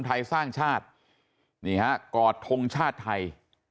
ภัศจิกรรมไทยสร้างชาตินี้ฮะกระทงชาติไทย